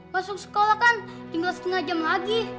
masuk sekolah kan tinggal setengah jam lagi